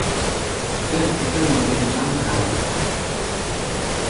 Vɛ̂r tiká nu ɓɛɛ mbáŋ harrr.